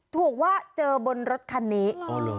ถูกว่าเจอบนรถคันนี้